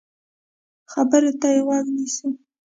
خبرو ته يې غوږ نیسو.